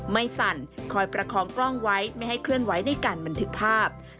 สั่นคอยประคองกล้องไว้ไม่ให้เคลื่อนไหวในการบันทึกภาพ